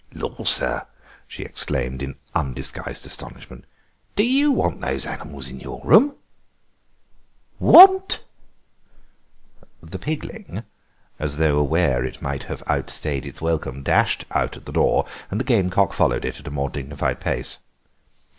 "Lor, sir," she exclaimed in undisguised astonishment, "do you want those animals in your room?" Want! The pigling, as though aware that it might have outstayed its welcome, dashed out at the door, and the gamecock followed it at a more dignified pace.